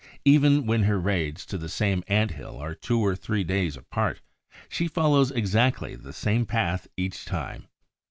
Even when her raids to the same ant hill are two or three days apart, she follows exactly the same path each time.